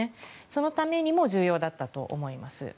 そのためにも重要だったと思います。